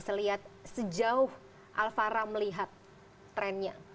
sejauh alfara melihat trendnya